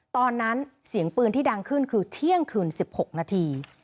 ตอนนั้นเสียงปืนที่ดังขึ้นคือเที่ยงคืน๑๖นาที